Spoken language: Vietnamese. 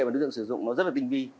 và đối tượng sử dụng nó rất là tinh vi